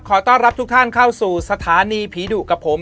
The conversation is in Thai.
ขอต้อนรับทุกท่านเข้าสู่สถานีผีดุกับผม